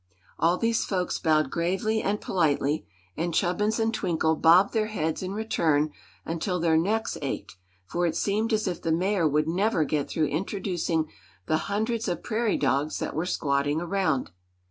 All these folks bowed gravely and politely, and Chubbins and Twinkle bobbed their heads in return until their necks ached, for it seemed as if the Mayor would never get through introducing the hundreds of prairie dogs that were squatting around.